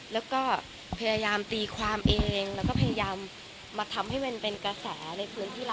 แล้วก็พยายามตีความเองมันก็จะเป็นเหตุผล